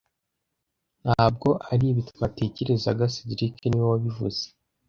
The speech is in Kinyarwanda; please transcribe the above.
Ntabwo aribi twatekerezaga cedric niwe wabivuze